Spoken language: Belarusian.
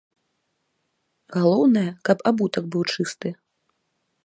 Галоўнае, каб абутак быў чысты.